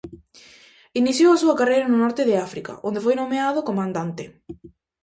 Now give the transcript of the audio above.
Iniciou a súa carreira no norte de África, onde foi nomeado comandante.